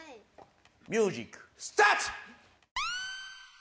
ミュージックスタート！